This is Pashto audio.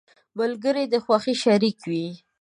• ملګری د خوښۍ شریك وي.